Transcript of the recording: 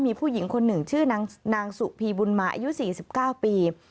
มีผู้หญิงคนหนึ่งชื่อนางสุพีบุญมาอายุ๔๙ปี